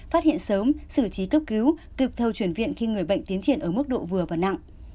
phát hiện sớm xử trí cấp cứu kịp thời chuyển viện khi người bệnh tiến triển ở mức độ vừa và nặng